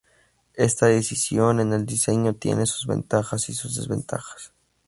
Esta decisión en el diseño tiene sus ventajas y sus desventajas.